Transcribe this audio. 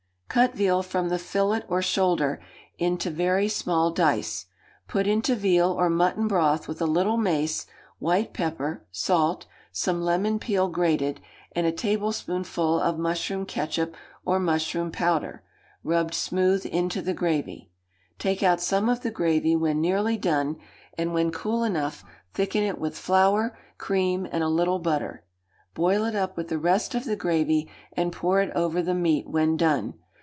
Cut veal from the fillet or shoulder into very small dice; put into veal or mutton broth with a little mace, white pepper, salt, some lemon peel grated, and a tablespoonful of mushroom ketchup or mushroom powder, rubbed smooth into the gravy, Take out some of the gravy when nearly done, and when cool enough thicken it with flour, cream, and a little butter; boil it up with the rest of the gravy, and pour it over the meat when done.